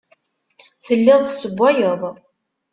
Telliḍ tessewwayeḍ.